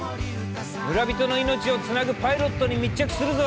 村人の命をつなぐパイロットに密着するぞ！